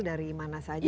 dari mana saja